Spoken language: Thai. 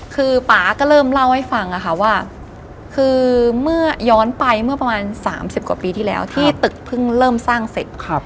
คือป๊าก็เริ่มเล่าให้ฟังค่ะว่าคือเมื่อย้อนไปเมื่อประมาณ๓๐กว่าปีที่แล้วที่ตึกเพิ่งเริ่มสร้างเสร็จ